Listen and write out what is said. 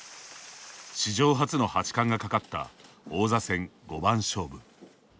史上初の八冠がかかった王座戦五番勝負。